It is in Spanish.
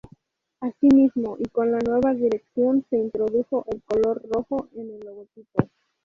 Asimismo, y con la nueva dirección, se introdujo el color rojo en el logotipo.